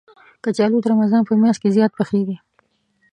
کچالو د رمضان په میاشت کې زیات پخېږي